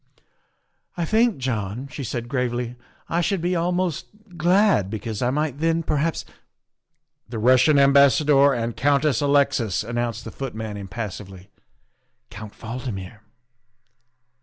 " I think, John," she said gravely, " I should be almost glad, because I might then perhaps " The Russian Ambassador and Countess Alexis," announced the footman impassively. " Count Valdmir."